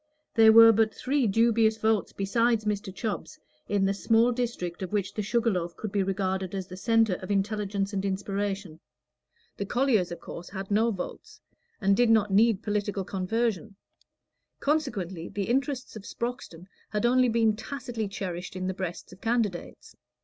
There were but three dubious votes besides Mr. Chubb's in the small district of which the Sugar Loaf could be regarded as the centre of intelligence and inspiration: the colliers, of course, had no votes, and did not need political conversion; consequently, the interests of Sproxton had only been tacitly cherished in the breasts of candidates.